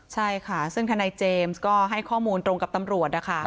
ใช่ค่ะซึ่งทนายเจมส์ก็ให้ข้อมูลตรงกับตำรวจนะคะ